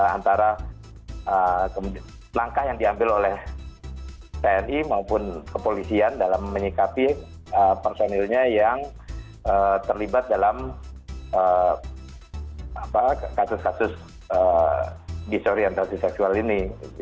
antara langkah yang diambil oleh tni maupun kepolisian dalam menyikapi personilnya yang terlibat dalam kasus kasus hisorientasi seksual ini